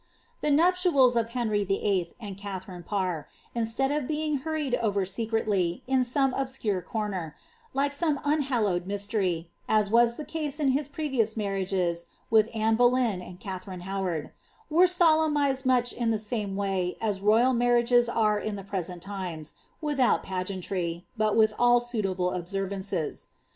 The nuptials of Henry VIII. and Katharine Parr, iiwtad ^ of being hurried over secretly, in some obscure comer, like someunhil' |^ lowed mystery (as was the case in his previous marriages with Aim Boleyn and Katharine Howard), were solemnised much in the safli way as royal marriages are in the present times, without pageantnr, btf with all suitable observances.